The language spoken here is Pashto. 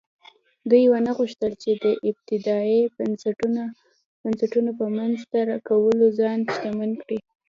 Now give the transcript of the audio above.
دوی ونه غوښتل چې د استبدادي بنسټونو په رامنځته کولو ځان شتمن کړي.